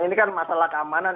ini kan masalah keamanan